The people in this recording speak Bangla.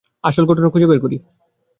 আসল ঘটনা খুঁজে বের করি!